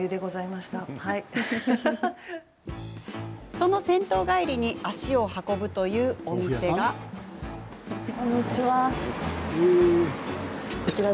その銭湯帰りに足を運ぶというお店がこちら。